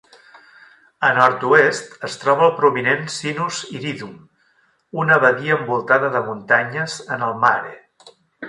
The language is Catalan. A nord-oest es troba el prominent Sinus Iridum, una badia envoltada de muntanyes en el "mare".